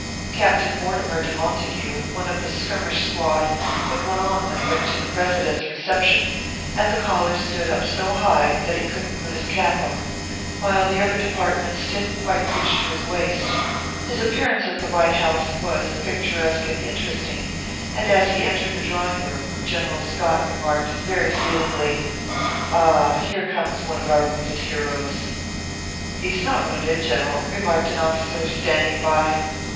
Captain Mortimer de Montague, one of the skirmish squad, put one on when he went to the President s Reception, and the 44 ORPHEUS C. KERR PAPERS. collar stood up so high, that he couldn t put his cap on ; while the other departments didn t quite reach to his waist. His appearance at the White House was picturesque and interesting, and as he entered the drawing room, General Scott remarked, very feel ingly :" Ah ! here comes one of our wounded heroes." " He s not wounded, general," remarked an officer, standing by.